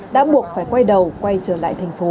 đã buộc phải quay đầu quay trở lại thành phố